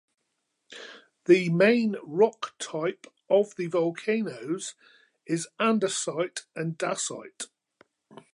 The main rock type of the volcanoes is andesite and dacite.